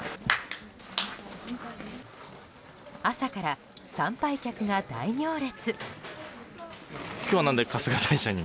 朝から参拝客が大行列。